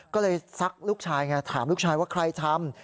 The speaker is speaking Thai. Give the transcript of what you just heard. ก็เลยซักลูกชายไงถามลูกชายว่าใครทำ